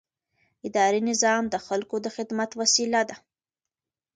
اداري نظام د خلکو د خدمت وسیله ده.